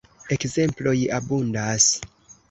Ekzemploj abundas.